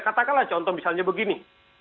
katakanlah contoh misalnya begini